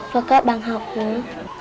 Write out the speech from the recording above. và có bàn học nữa